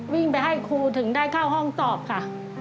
วิ่งไปให้ครูถึงได้เข้าห้องสอบค่ะ